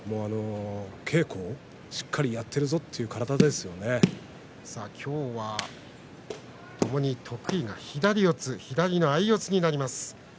稽古をしっかりやっているぞ今日はともに得意は左四つ左の相四つになります。